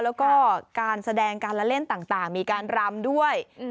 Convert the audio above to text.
แล้วก็การแสดงการละเล่นต่างมีการรำด้วย